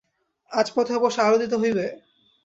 আজ পথে অবশ্য আলো দিতে হইবে?